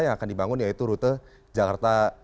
yang akan dibangun yaitu rute jakarta